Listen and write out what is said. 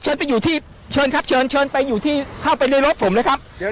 เชิญไปอยู่ที่เชิญครับเชิญไปอยู่ที่เข้าไปในรถผมเลยครับเดี๋ยว